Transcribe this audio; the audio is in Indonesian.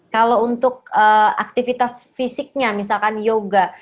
kalau untuk aktivitas fisiknya misalkan yoga